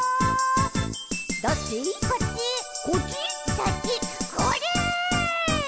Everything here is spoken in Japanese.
「そっちこれ！！」